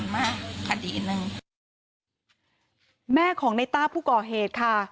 แม่ของในต้าผู้ก่อเหตุค่ะ